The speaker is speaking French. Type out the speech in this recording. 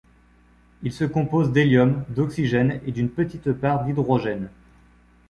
Il se compose d'hélium, d'oxygène et d'une petite part d'hydrogène.